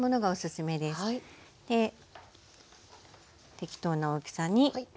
適当な大きさに。